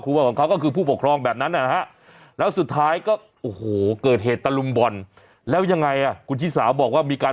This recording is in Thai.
เป็นกลางแล้วก็พูดตรงนะก็เหมือนกับว่า